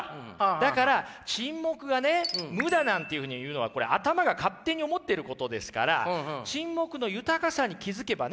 だから沈黙がね無だなんていうふうに言うのはこれ頭が勝手に思ってることですから沈黙の豊かさに気付けばね